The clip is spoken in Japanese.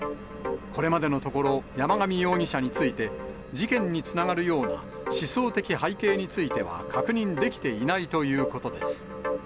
これまでのところ、山上容疑者について、事件につながるような思想的背景については確認できていないということです。